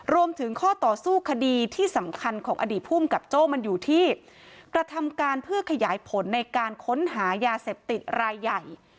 รวมถึงข้อต่อสู้คดีที่สำคัญของอดีตภูมิกับโจ้มันอยู่ที่กระทำการเพื่อขยายผลในการค้นหายาเสพติดรายใหญ่